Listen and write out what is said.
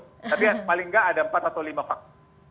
tapi paling nggak ada empat atau lima faktor